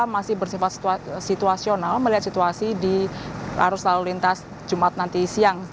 masih bersifat situasional melihat situasi di arus lalu lintas jumat nanti siang